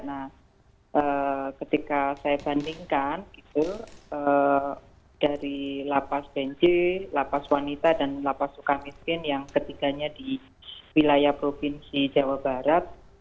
nah ketika saya bandingkan gitu dari lapas benji lapas wanita dan lapas suka miskin yang ketiganya di wilayah provinsi jawa barat